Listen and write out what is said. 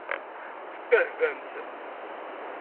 Tebbehbamt?